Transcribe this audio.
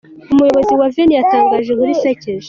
Umuyobozi wa Veni yatangaje inkuru isekeje.